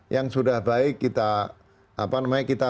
yang sudah baik kita